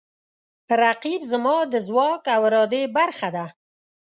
رقیب زما د ځواک او ارادې برخه ده